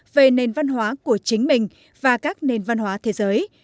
về nền văn hóa của chính mình và các nền văn hóa thế giới